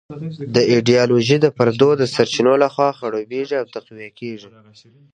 دا ایډیالوژي د پردو د سرچینو لخوا خړوبېږي او تقویه کېږي.